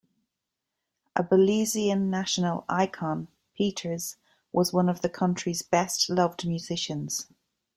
A Belizean national icon, Peters was one of the country's best loved musicians.